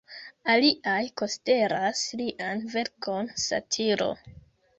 Aliaj konsideras lian verkon satiro.